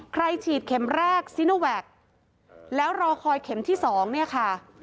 ฉีดเข็มแรกซิโนแวคแล้วรอคอยเข็มที่สองเนี่ยค่ะ